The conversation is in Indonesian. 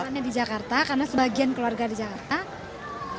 jalannya di jakarta karena sebagian keluarga di jakarta